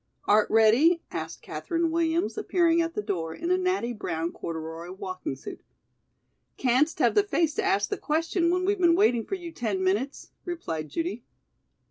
"Art ready?" asked Katherine Williams, appearing at the door in a natty brown corduroy walking suit. "Can'st have the face to ask the question when we've been waiting for you ten minutes?" replied Judy.